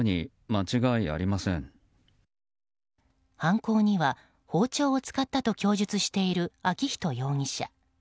犯行には包丁を使ったと供述している昭仁容疑者。